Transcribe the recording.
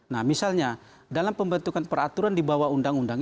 nah misalnya dalam pembentukan peraturan di bawah undang undang